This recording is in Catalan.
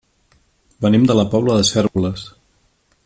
Venim de la Pobla de Cérvoles.